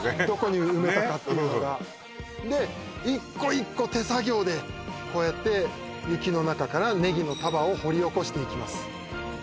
どこに埋めたかっていうのがで一個一個手作業でこうやって雪の中からネギの束を掘り起こしていきます